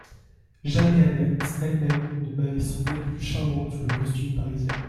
Jamais Annette elle-même ne m'avait semblé plus charmante sous le costume parisien.